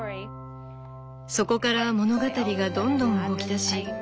そこから物語がどんどん動きだし